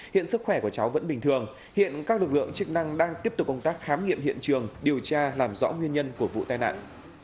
hiện sức khỏe của cháu vẫn bình thường hiện các lực lượng chức năng đang tiếp tục công tác khám nghiệm hiện trường điều tra làm rõ nguyên nhân của vụ tai nạn